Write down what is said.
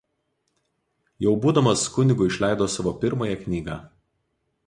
Jau būdamas kunigu išleido savo pirmąją knygą.